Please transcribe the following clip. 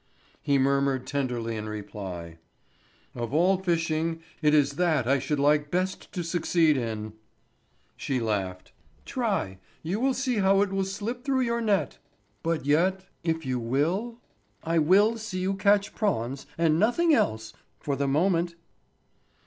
He murmured tenderly in reply: "Of all fishing it is that I should like best to succeed in." She laughed: "Try; you will see how it will slip through your net." "But yet—if you will?" "I will see you catch prawns—and nothing else—for the moment."